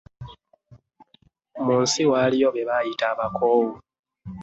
Mu nsi waliyo be bayita abakoowu.